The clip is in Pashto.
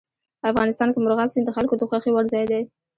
افغانستان کې مورغاب سیند د خلکو د خوښې وړ ځای دی.